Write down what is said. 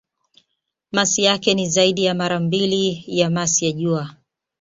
Masi yake ni zaidi ya mara mbili ya masi ya Jua.